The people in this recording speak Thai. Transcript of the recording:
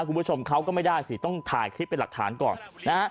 คุณผู้ชมเขาก็ไม่ได้สิต้องถ่ายคลิปเป็นหลักฐานก่อนนะฮะ